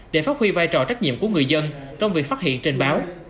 để phát huy vai trò trách nhiệm của người dân trong việc phát hiện trên báo